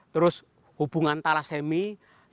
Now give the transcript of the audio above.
terus hubungan thalassemia